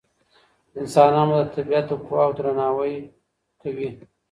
انسانان به د طبيعت د قواوو درناوی کوي.